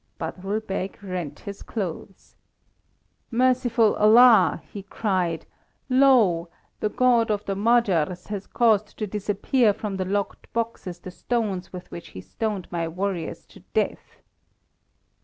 Badrul Beg rent his clothes. "Merciful Allah!" he cried, "lo! the God of the Magyars has caused to disappear from the locked boxes the stones with which he stoned my warriors to death!"